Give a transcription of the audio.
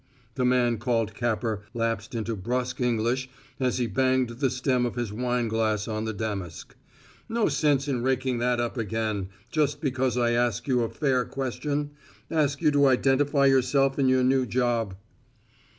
The man called Capper lapsed into brusk English as he banged the stem of his wineglass on the damask. "No sense in raking that up again just because I ask you a fair question ask you to identify yourself in your new job."